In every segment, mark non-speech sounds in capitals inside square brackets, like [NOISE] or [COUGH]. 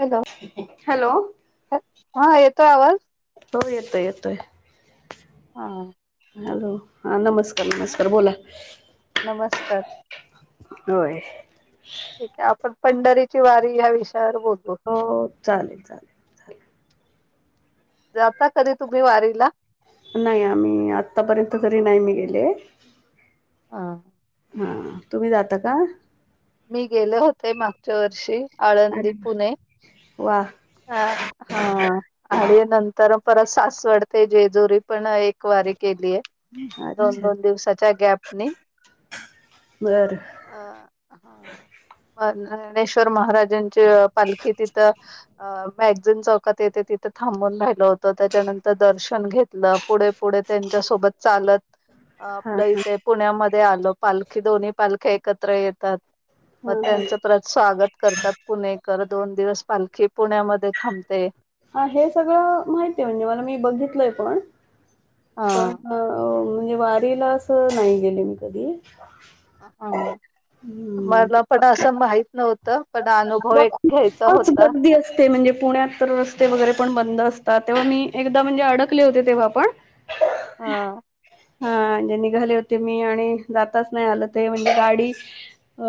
Hello hello [INAUDIBLE] हा हा येतोय आवाज? हो येतोय येतोय. [INAUDIBLE] हा. हॅलो हां नमस्कार, नमस्कार बोला. नमस्कार. होय. ठीक हाय आपण पंढरीची वारी ह्या विषयी हो हो चालेल, चालेल, चालेल. जाता कधी तुम्ही वारीला? नाही आम्ही आत्तापर्यंत तरी नाही मी गेले. हा. हा तुम्ही जाता का? मी गेले होते मागच्या वर्षी आळंदी, अरे पुणे. वा अ हा आणि नंतर परत सासवड ते जेजुरी पण एक वारी केलीये. वा अच्छा दोन-दोन दिवसाच्या गॅपने बरं [INAUDIBLE] अ ह मला ज्ञानेश्वर महाराजां ची अ पालखी तिथं अ मॅगझिन चौकात येते तिथे थांबून राहिलो होतो. त्याच्यानंतर दर्शन घेतलं पुढे पुढे त्यांच्या सोबत चालत हा आपलं इथे पुण्यामध्ये आलो. पालखी दोन्ही पालखी एक एकत्र येतात. मग हा हा त्यांचं परत स्वागत करतात पुणेकर. दोन दिवस पालखी पुण्यामध्ये थांबते. हा हे सगळं माहितीय आहे म्हणजे मला मी बघितलय पण हा पण अ म्हणजे वारीला असं नाही गेले मी कधी हा मला पण हम्म असं माहीत नव्हतं पण अनुभव मग एक घ्यायचा खूपच होता. गर्दी असते म्हणजे पुण्यात तर ते वगैरे पण बंद असतात तेव्हा मी एकदा म्हणजे अडकले होते तेव्हा पण हा. हा म्हजे निघाले होते मी आणि जाताच नाही आल ते म्हणजे गाडीस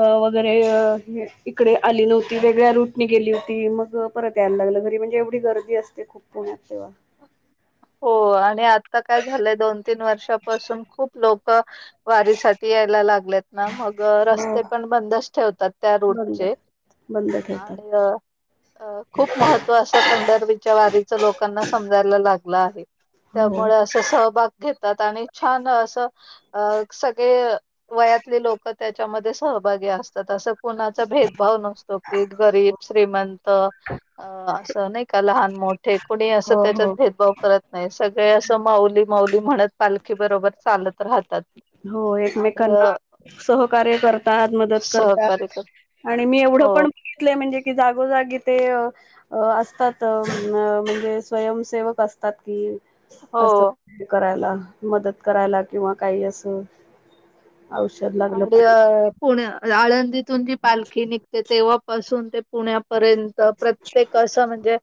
अ वगैरे अ इकडे आली नव्हती वेगळ्या रूटने गेली होती. मग परत यायला लागलं घरी म्हणजे एवढ एवढी गर्दी असते खूप पुण्यात तेव्हा. हो आणि आ आता काय झालंय दोन-तीन वर्षापासून खूप लोक क वारीसाठी यायला लाग लेत ना मग हो रस्ते पण बंदच ठेवतात. त्या बंद रोडचे बंद [INAUDIBLE] ठेवतात आणि अ खूप महत्त्व असं पंढरीच्या वारीच लोकांना समजायला लागल. लागलं आहे. हो त्यामुळे असं सहभाग घेतात. आणि छान असं. अ सगळे. ते वयातले लोक त्याच्यामध्ये सहभागी असतात अस. कोणाचा भेदभाव नसतो की गरीब, श्रीमंत अ असं नाही. इथं लहान-मोठे आहेत. कोणी असं हो त्याच्यात हो भेदभाव कळत नाही सगळे असं माऊली-माऊली म्हणत पालखी बरोबर चालत राहतात. हो आणि एकमेकांना अ, सहकार्य करतात, मदत सहकार्य करतात कर आणि मी एवढं हो पण बघितलं म्हणजे की जागोजागी ते अ असतात अ म्हणजे स्वयंसेवक असतात की हो असं करायला. मदत करायला किंवा काहीही असो औषध लागलं, पाणी पुण आळंदीतून जी पालखी निघते तेव्हापासून ते पुण्यापर्यंत प्रत्येक असं म्हणजे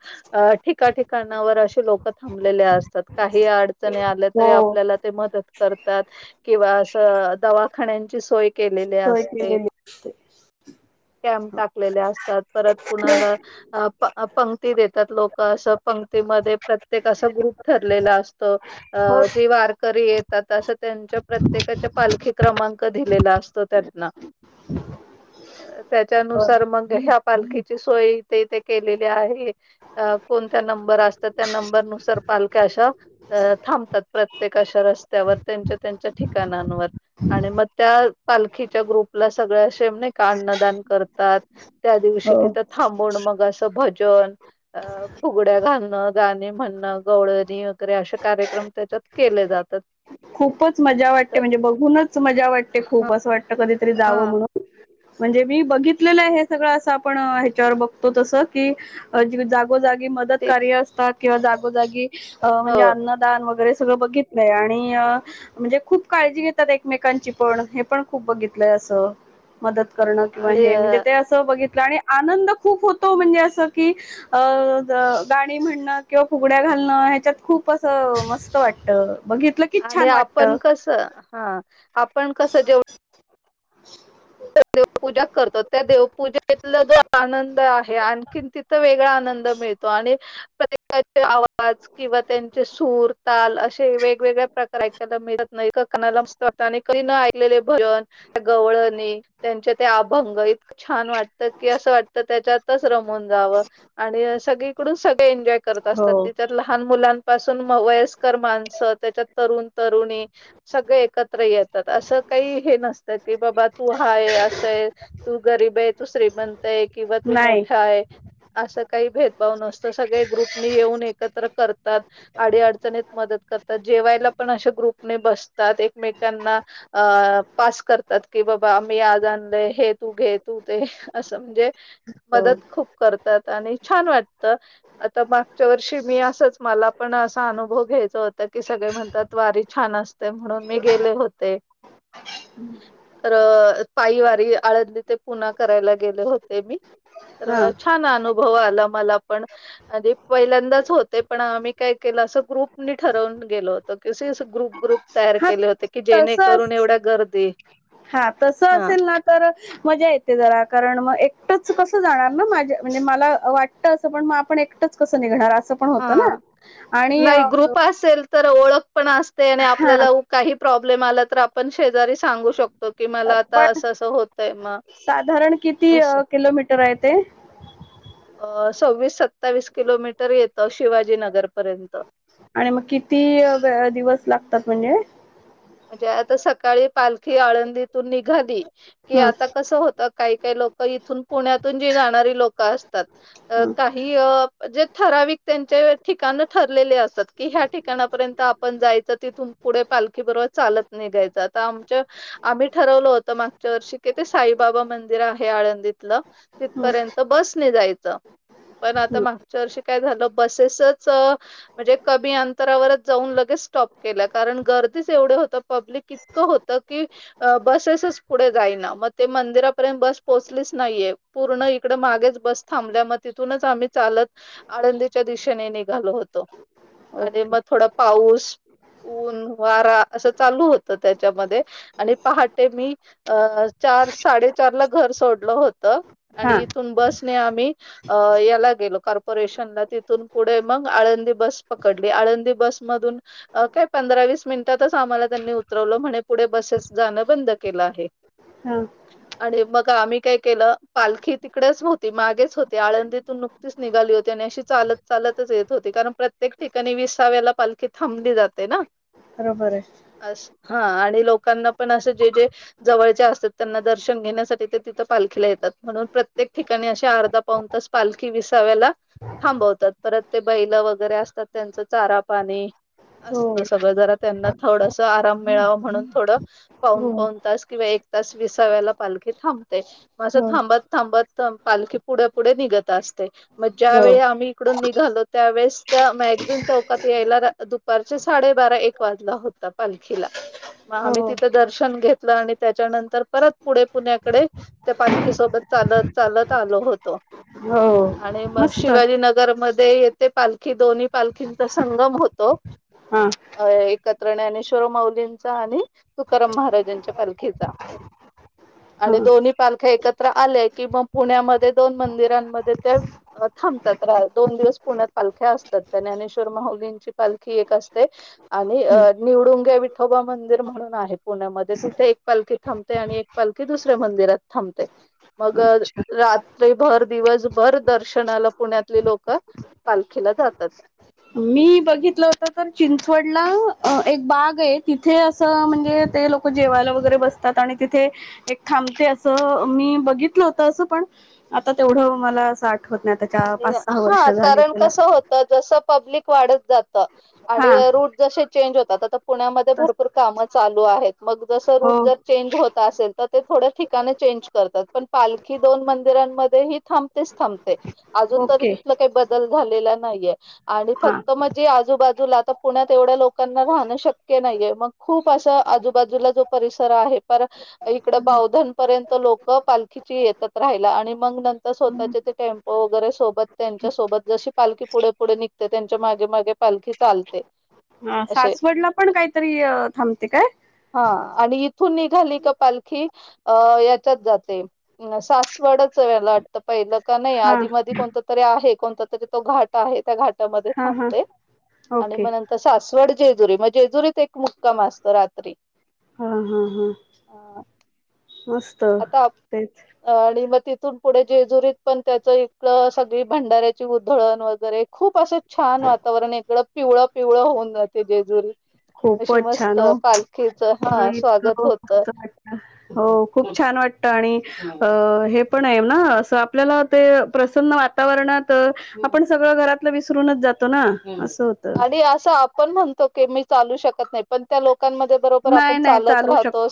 ठिका- ठिकाणावर अशी लोक थांबलेले असतात. काही अडचणी आल्या तरी हो आपल्याला ते मदत करतात किंवा असं अ दवा खाण्यांची सोय केलेली सोय असते. केलेली असते [UNINTELLIGIBLE] टाकलेले असतात. परत कोणाला आप आपण ते देतात लोक असं पंक्तीमध्ये प्रत्येक असा ग्रुप ठरलेला अस हो तर जे वारकरी एत तात्यासो त्यांच्या प्रत्येकाच्या पालखीत क्रमांक दिलेला असतो त्यांना त्याच्यानुसार मग हेप पालखीची सोय ईथे ईथे केलेली आहे. अ कोणत्या नंबर असतात. त्या नंबरनुसार पालख्या अशा थांबतात. प्रत्येक अशा रस्त्यावर त्यांच्या त्यांच्या ठिकानांवर आणि मग त्या पालखीच्या ग्रुपला सगळ्या, असे नाही का अन्नदान करतात? त्या दिवशी हो तिथं थांबून मग ग आस भजन, अ फुगड्या घालणं, गाणे म्हणणं, गवळणी वगैरे असे कार्यक्रम त्याच्यात केले जातात. खूपच मजा वाटते, तर म्हणजे बघून च मजा वाटते. खूप अस वाटत कधीतरी जावं हा म्हणून म्हणजे मी बघितलेलं आहे हे सगळं असं आपण ह्याच्यावर बघतो तस की जागी मदत ते कार्य असतात. किंवा जाागो जाागी अ म्हणजे हो अन्नदान वगैरे सगळं बघितलंय आणि म्हणजे खूप काळजी घेतात एकमेकांची पण हे पण खूप बघितलंय असं मदत करणं किंवा आणि हे म्हणजे ते असं बघित आणि आनंद खूप होतो म्हणजे असं की अ गाणी म्हणणं किंवा फुगड्या घालणं ह्याच्यात खूप असं मस्त वाटत बघित की आणि छान आपण कस हा आपण कसं जेवण देवपूजा करतो त्या देवपूजेतला जो आनंद आहे आणखीन तिथ वेगळा आनंद मिळतो आणि त्याचे आवाज किंवा त्यांचे सूर ताल असे वेगवेगळ्या प्रकार ऐकायला मिळत नाही कोकणातून आणि कही न ऐकलेले भजन, गवळणी त्यांचे ते अभंग इतक छान वाटत की असं वाटत त्याच्यातच रमून जावं आणि सगळीकडून सगळे एन्जॉय करत हो असतात तिथे लहान मुलां लहान मुलांपासून वयस्कर माणस त्याच्या तरुण तरुणी सगळे एकत्र येतात असं काही हे नसतं की बाबा तू हाय असं आहे तू गरीब आहे तू श्रीमंत आहे किंवा तू नाही मोठा आहे असं काही भेदभाव नसतं सगळे ग्रुप येऊन एकत्र करतात आडी- अडचणीत मदत करतात जेवायला पण ग्रुप बसतात एकमेकांना पास करतात कि बा मी आज आणले हे तू घे तू ते असं म्हणजे हो मदत खूप करतात आणि छान वाटत आता मागच्या वर्षी मी असंच मला पण असा अनुभव घ्यायचा होत की सगळे म्हणतात वारी छान असते म्हणून मी गेले होते. तर पायीवारी आळंदी ते पुना करायला गेले होते मी तर हा छान अनु भव आला मला पण पहिल्यांदाच हो पण आम्ही काय केलं अस ग्रुप ठरून गेलो होत क गुप ग्रुप तयार हा केले होते की जेणे करून एवढ्या गर्दी हा तस हा असेल ना तर मजा येते जरा कारण मग एकटच कस जाणार म्हणजे मला वाटत अस पण म आपण एकटच कस निघणार अस पण होत ना हा. आणि नाही ग्रुप असेल तर ओळख पण असते आणि हा आपल्याला काही प्रॉब्लेम आला तर आपण शेजारी सांगू शकतो की मला आता पण असं असं होतय मग साधारण किती असं. किलोमीटर आहेत ते अ सव्वीस सत्तावीस किलोमीटर येतं शिवाजीनगरपर्यंत आणि मग किती दिवस लागतात म्हणजे? म्हणजे आता सकाळी पालखी आळंदीतून निघाली कि हं आता कसं होतं काही काही लोक इथून पुण्यातून जी जाणारी लोक असत अ हं काही अ जे ठराविक त्यांचे ठिकाण ठरलेले असतात की ह्या ठिकाणापर्यंत आपण जायचं तिथून पुढे पालखी बरोबर चालत नाही घ्यायच आता आमच्या आम्ही ठरवलं होतं मागच्या वर्षी कि ते साईबाबा मंदिर आहे आळंदीतलं हं तिथपर्यंत बसने जायचं पण आता हं मागच्या वर्षी काय झालं बसेसच म्हणजे कमी अंतरावरच जाऊन लगेच स्टॉप केल्या कारण गर्दीच एवढे हो पब्लिक इतकं होत की बसेसच पुढे जाईना मग ते मंदिरापर्यंत बस पोहोचलीच नाहीये पूर्ण इकडे मागेच बस थांबल्या मग तिथूनच आम्ही चालत आळंदीच्या दिशेने निघालो होतो आणि ओके मग थोडा पाऊस ऊन वारा अस चालू होत त्याच्यामध्ये आणि पहाटे मी अ चार साडेचार ला घर सोडलं होतं. आणि हां इथून बस आम्ही याला गेलो कॉर्पोरेशनच्या तिथून पुढे मग आळंदी बस पकडली आळंदी बस मधून काय पंधरा वीस मिनिटातच आम्हाला त्यांनी उतरवलं म्हणे पुढे बसेस जाणं बंद केलं आहे. हम्म आणि मग आम्ही काय केलं पालखी तिकडेच होती मागेच होती आळंदीतून नुकतीच निघाली होती आणि अशी चालत चालतच येत होती कारण प्रत्येक ठिकाणी विसाव्याला पालखी थांबली जाते ना. बरोबर आहे. अस हा आणि लोकांना पण असं जे जे जवळचे असतात त्यांना दर्शन घेण्यासाठी ते तिथं पालखीला येतात म्हणून प्रत्येक ठिकाणी अे अर्धा पाऊन तास पालखी विसाव्याला थांबवतात परत ते बैल वगैरे असतात त्यांचं चारा पाणी हो असत सगळं जरा त्यांना थोडस आराम मिळाव म्हणून थोडं पाऊन हो पाऊन तास किंवा एक तास विसाव्याला पालखी थांबते मं हो थांबत थांबत पालखी पुढं पुढे निघत असते. मग ज्या हो वेळी आम्ही इकडून निघालो त्यावेळेस त्या मॅगझिन चौकात यायला दुपारच्या साडेबारा एक वाजला होता. पालखीला मग आम्ही हो तिथं दर्शन घेतलं आणि त्याच्यानंतर परत पुढे पुण्याकडे त्या पालखी सोबत चालत चालत आलो होतो. हो आणि मग मस्त शिवाजीनगर म येते पालखी दोन्ही पालखींचा संगम होतो. हां अ एक ज्ञानेश्वर माउलींचा आणि तुकाराम महाराजांच्या पालखीचा आणि हां दोन्ही पालख्या एकत्र आल्या की मग पुण्यामध्ये दोन मंदिरांमध्ये त्या थांबतात दोन दिवस पुण्यात पालख्या असतात त्या ज्ञानेश्वर माउलींची पालखी एक असते आणि हं. निवडुंगे विठोबा मंदिर म्हणून आहे पुण्यामध्ये तिथे एक पालखी थांबते आणि एक पालखी दुसऱ्या मंदिरात थांबते. मग अच्छा रात्रीभर दिवसभर दर्शनाला पुण्यातली लोक पालखीला जातात. मी बघितलं होत तर चिंचवडला अ एक बाग आहे, तिथे असं म्हणजे ते लोक जेवायला वगैरे बसतात आणि तिथे एक थांबते असं मी बघितलं होतं असं पण आता तेवढं मला असं आठवत नाही त्याच्या पाच अ सहा वर्ष हा झाली कारण त्याला कसं होत जसं पब्लिक वाढत जातात. हा आणि रूट जशे चेंज होतात आता पुण्यामध्ये तस भरपूर कामं चालू आहेत. मग जसं हो रूट जर चेंज होत त असेल तर ते थोड्या ठिकाणी चेंज करतात, पण पालखी दोन मंदिरांमध्ये ही थांबतेच थांबते. ते. अजून तरी ओके तिथलं काही बदल झालेला नाहीये. आणि हा फक्त म्हणजे आ आजूबाजूला आता पुण्यात एवढ्या लोकांना राहणं शक्य नाहीये, मग खूप अशा आजूबाजूला जो परिसर आहे. परत इकडं बावधन पर्यंत लोकं पालखीची येतात राहिला आणि मग नंतर स्वतःचे ते टेम्पो वगैरे सोबत त्यांच्या सोबत जशी पालखी पुढे पुढे निघते त्यांच्या मागे मागे पालखी चालते. अ असे सासवडला पण काहीतरी थांबते काय? हा आणि इथून निघाली का पालखी अ याच्यात जाते सासवडच मला वाटतं पहिलं का नाही हा आधी मधी कोणतं तरी आहे कोणता तरी तो घाट आहे, त्या घाटामध्ये हा हा थांबते आणि ओके मग नंतर सासवडीत जेजुरी मग जेजुरीत एक मुक्काम असतं रात्री हा हा हा ह मस्त आता तेच आणि मग त तिथून पुढे जेजुरीत पण त्याचं इथलं सगळी भंडाऱ्याची उधळण वगैरे खूप असं छान वातावरण इकडं पिवळं पिवळं होऊन जातंय जेजुरी अशी खूपच छान मस्त हो. पालखीच हा आणि स्वागत इतकं होतं मस्त वाटतं, हो खूप छान वाटतं आणि अ हे पण आहे ना असं आपल्याला ते प्रसन्न वातावरणात आपण सगळं घरातलं विसरूनच जातो ना होतं. आणि असं आपण म्हणतो की मी चालू शकत नाही पण त्या लोक लोका बरोबर आपण नाही नाही चालत चालू शकतो. राहतो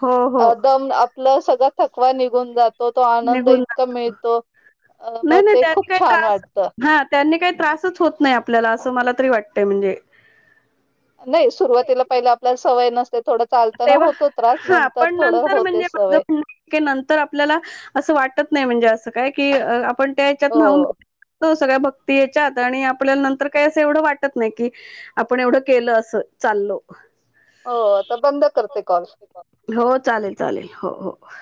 हो हो दम ल सगळं थकवा निघून जात त तो आनंद निघून इतका जातो. मिळतो मग नाही नाही ते त्यांनी खूप काही छान त्रास वाटत हा त्यांनी काही त्रासच होत नाही आपल्याला असं मला तरी वाटतय म्हणजे नाही सुरुवातीला पहिला आपल्याला सवय नसते थोडं चालताना तेव्हा होतो त्रास हा नंतर पण थोडं नंतर होते म्हणजे माझं सवय म्हणणं आहे की नंतर आपल्याला असं वाटत नाही म्हणजे असं काय की आपण त्याच्यात न्हाऊन हो. तो सगळ्या भक्तीच्यात आणि आपल्याला नंतर काही असं एवढं वाटत नाही, की आपण एवढं केलं असं चाललो हो बंद करते कॉल. हो चालेल चालेल हो हो [UNINTELLIGIBLE]